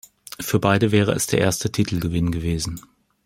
Für beide wäre es der erste Titelgewinn gewesen.